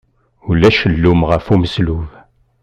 Ulac llum ɣef umeslub.